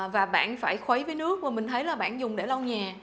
và bạn phải khuấy với nước và mình thấy là bạn dùng để lau nhà